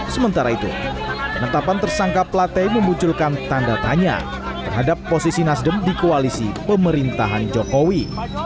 sementara itu penetapan tersangka plate memunculkan tanda tanya terhadap posisi nasdem di koalisi pemerintahan jokowi